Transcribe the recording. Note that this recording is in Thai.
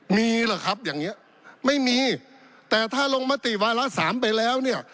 มีเหรอครับอย่างนี้ไม่มีแต่ถ้าลงมติวาระสามไปแล้วเนี่ย